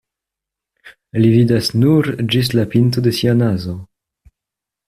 Li vidas nur ĝis la pinto de sia nazo.